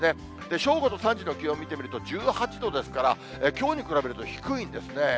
正午と３時の気温見てみると、１８度ですから、きょうに比べると低いんですね。